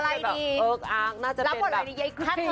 ถ้าย้อมผมดำนะ